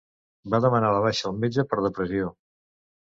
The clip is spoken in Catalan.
Va demanar la baixa al metge per depressió